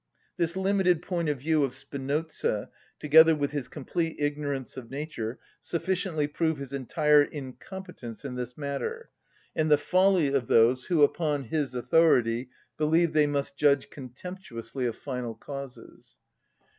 This limited point of view of Spinoza, together with his complete ignorance of nature, sufficiently prove his entire incompetence in this matter, and the folly of those who, upon his authority, believe they must judge contemptuously of final causes.